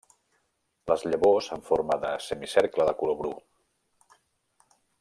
Les llavors en forma de semicercle de color bru.